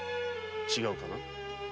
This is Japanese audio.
違うかな？